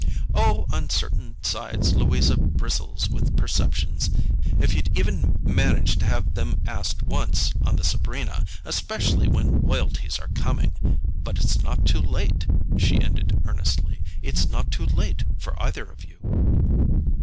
"Oh, on certain sides Louisa bristles with perceptions. If you'd even managed to have them asked once on the Sabrina—especially when royalties were coming! But it's not too late," she ended earnestly, "it's not too late for either of you."